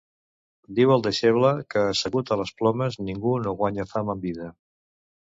Diu al deixeble que assegut a les plomes ningú no guanya fama en vida.